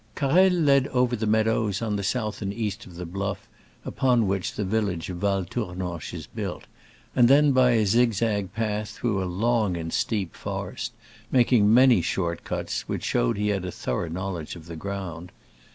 Carrel led over the meadows on the south and east of the bluff upon which the village of Val Tournanche is built, and then by a zigzag path through a long and steep forest, making many short cuts, which showed he had a thorough knowledge of the ground.